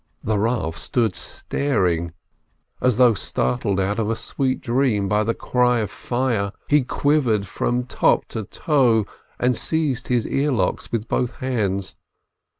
The Rav stood staring, as though startled out of a sweet dream by the cry of "fire." He quivered from top to toe, and seized his earlocks with both hands.